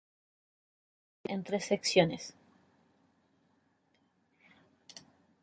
La canción se puede dividir en tres secciones.